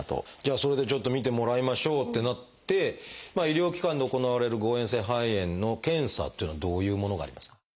それでちょっと診てもらいましょうってなって医療機関で行われる誤えん性肺炎の検査っていうのはどういうものがありますか？